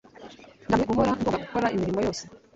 Ndambiwe guhora ngomba gukora imirimo yose.